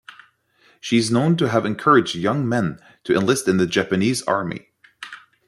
She is known to have encouraged young men to enlist in the Japanese army.